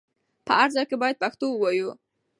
په هر ځای کې بايد پښتو ووايو.